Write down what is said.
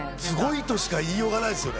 すごいとしか言いようがない。